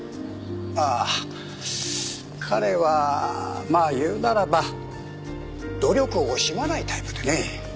ああ彼はまあ言うならば努力を惜しまないタイプでね。